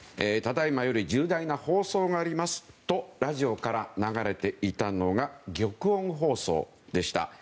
「只今より重大なる放送があります」とラジオから流れていたのが玉音放送でした。